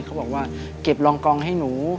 เขาบอกว่าเก็บรองกองให้หนู